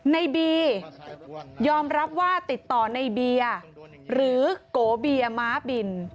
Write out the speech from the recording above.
ในบียอมรับว่าติดต่อในเบียร์หรือโกเบียม้าบิน